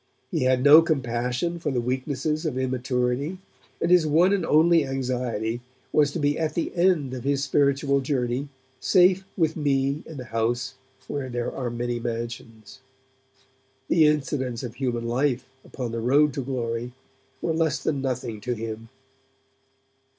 He had no compassion for the weaknesses of immaturity, and his one and only anxiety was to be at the end of his spiritual journey, safe with me in the house where there are many mansions. The incidents of human life upon the road to glory were less than nothing to him.